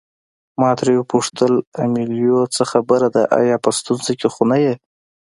ما ترې وپوښتل امیلیو څه خبره ده آیا په ستونزه کې خو نه یې.